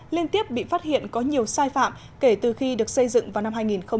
liên tiếp bị phát hiện có nhiều sai phạm kể từ khi được xây dựng vào năm hai nghìn một mươi